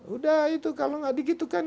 udah itu kalau enggak dikitu kan